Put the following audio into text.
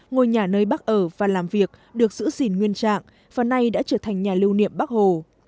ngôi nhà nơi bác ở và làm việc được giữ gìn nguyên trạng và nay đã trở thành nhà lưu niệm bắc hồ